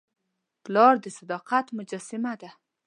پلار د صداقت مجسمه ده.